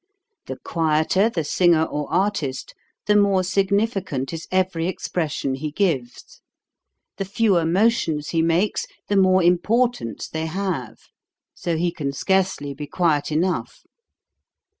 The quieter the singer or artist, the more significant. is every expression he gives; the fewer motions he makes, the more importance they have. So he can scarcely be quiet enough.